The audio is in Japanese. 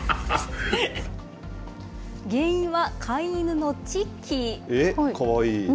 原因は飼い犬のチッキー。